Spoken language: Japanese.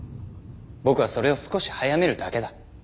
僕はそれを少し早めるだけだ。